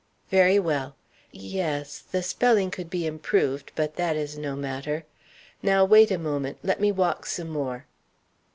Very well yes the spelling could be improved, but that is no matter. Now wait a moment; let me walk some more.